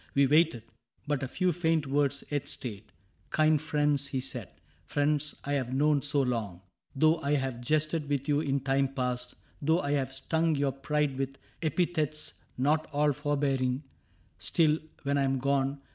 We waited, but a few faint words yet stayed :'' Kind friends," he said, " friends I have known so long, Though I have jested with you in time past^ Though I have stung your pride with epithets Not all forbearing, — still, when I am gone.